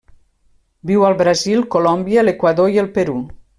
Viu al Brasil, Colòmbia, l'Equador i el Perú.